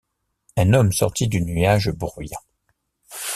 Un homme sortit du nuage bruyant.